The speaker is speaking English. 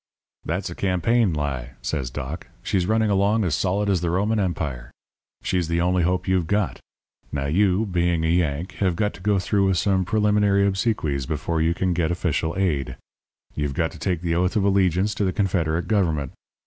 "'That's a campaign lie,' says Doc. 'She's running along as solid as the Roman Empire. She's the only hope you've got. Now, you, being a Yank, have got to go through with some preliminary obsequies before you can get official aid. You've got to take the oath of allegiance to the Confederate Government.